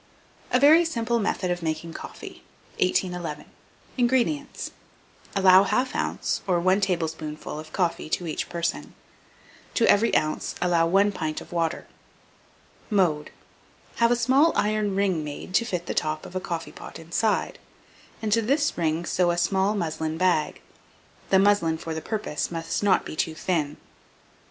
A VERY SIMPLE METHOD OF MAKING COFFEE. 1811. INGREDIENTS. Allow 1/2 oz., or 1 tablespoonful, of coffee to each person; to every oz. allow 1 pint of water. Mode. Have a small iron ring made to fit the top of the coffee pot inside, and to this ring sew a small muslin bag (the muslin for the purpose must not be too thin).